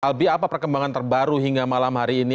albi apa perkembangan terbaru hingga malam hari ini